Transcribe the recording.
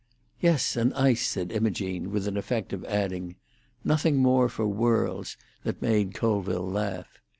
"Yes, an ice," said Imogene, with an effect of adding, "Nothing more for worlds," that made Colville laugh.